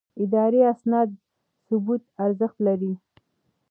اداري اسناد د ثبوت ارزښت لري.